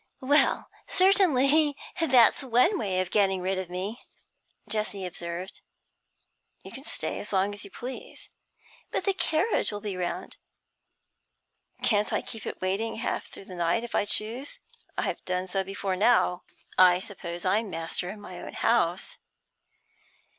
'Well, certainly that's one way of getting rid of me,' Jessie observed. 'You can stay as long as you please.' 'But the carriage will be round.' 'Can't I keep it waiting half through the night if I choose? I've done so before now. I suppose I'm master in my own house.'